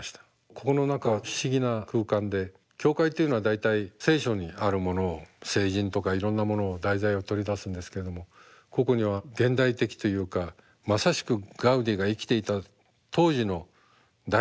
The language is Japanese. ここの中は不思議な空間で教会というのは大体「聖書」にあるものを聖人とかいろんなものを題材を取り出すんですけどもここには現代的というかまさしくガウディが生きていた当時の大事件が組み込まれてるんです。